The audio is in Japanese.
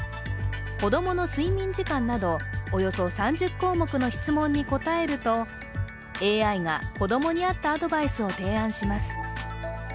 子供の睡眠時間など、およそ３０項目の質問に答えるとＡＩが子供に合ったアドバイスを提案します。